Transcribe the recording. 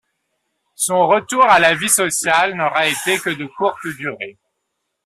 Son retour à la vie sociale n’aura été que de courte durée